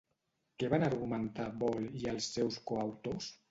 Què van argumentar Ball i els seus coautors?